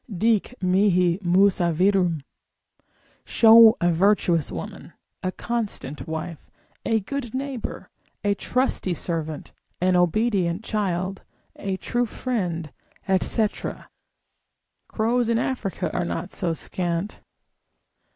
Dic mihi Musa virum—show a virtuous woman, a constant wife, a good neighbour, a trusty servant, an obedient child, a true friend, &c. Crows in Africa are not so scant.